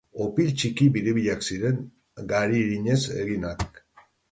Opil txiki biribilak ziren, gari irinez eginak.